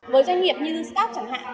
với doanh nghiệp như staff chẳng hạn